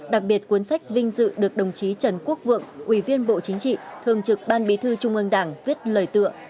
đặc biệt cuốn sách vinh dự được đồng chí trần quốc vượng ủy viên bộ chính trị thường trực ban bí thư trung ương đảng viết lời tượng